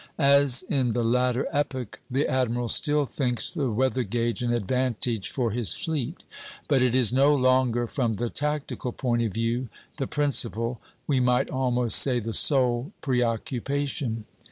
As in the latter epoch, the admiral still thinks the weather gage an advantage for his fleet; but it is no longer, from the tactical point of view, the principal, we might almost say the sole, preoccupation.